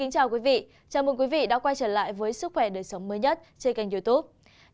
chào mừng quý vị đã quay trở lại với sức khỏe đời sống mới nhất trên kênh youtube